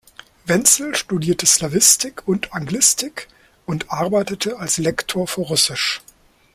Wenzel studierte Slawistik und Anglistik und arbeitete als Lektor für Russisch.